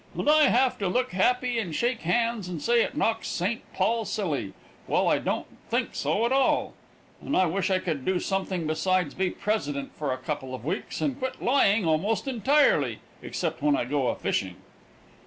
And I have to look happy and shake hands and say it knocks St. Paul silly, while I don't think so at all, and I wish I could do something besides be president for a couple of weeks, and quit lying almost entirely, except when I go a fishing."